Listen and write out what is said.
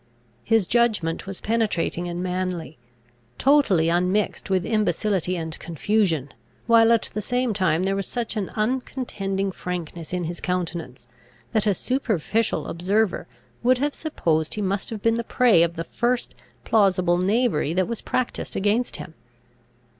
His judgment was penetrating and manly, totally unmixed with imbecility and confusion, while at the same time there was such an uncontending frankness in his countenance, that a superficial observer would have supposed he must have been the prey of the first plausible knavery that was practised against him.